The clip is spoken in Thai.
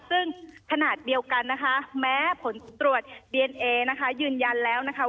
ซึ่งขนาดเดียวกันนะคะแม้ผลตรวจดีเอนเอนะคะยืนยันแล้วนะคะ